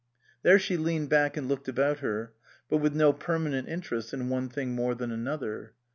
323 SUPERSEDED There she leaned back and looked about her, but with no permanent interest in one thing more than another.